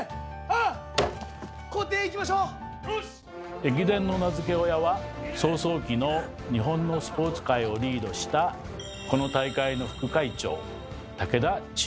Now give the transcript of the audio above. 駅伝の名付け親は草創期の日本のスポーツ界をリードしたこの大会の副会長武田千代三郎です。